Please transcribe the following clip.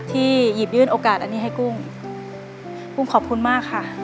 หยิบยื่นโอกาสอันนี้ให้กุ้งกุ้งขอบคุณมากค่ะ